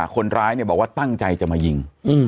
คนร้ายบอกว่าตั้งใจจะมายิง